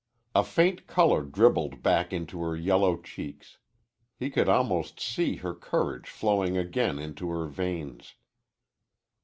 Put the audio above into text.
A faint color dribbled back into her yellow cheeks. He could almost see courage flowing again into her veins.